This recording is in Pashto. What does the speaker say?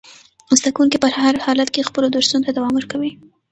زده کوونکي په هر حالت کې خپلو درسونو ته دوام ورکوي.